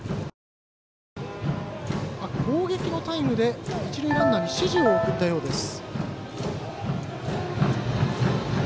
攻撃のタイムで一塁ランナーに指示を送ったようです。